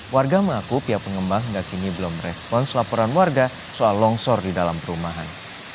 warga mengaku pihak pengembang hingga kini belum respons laporan warga soal longsor di dalam perumahan